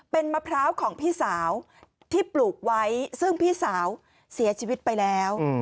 เป็นมะพร้าวของพี่สาวที่ปลูกไว้ซึ่งพี่สาวเสียชีวิตไปแล้ว